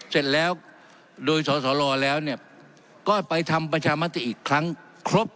เสร็จแล้วโดยสสลแล้วเนี่ยก็ไปทำประชามติอีกครั้งครบ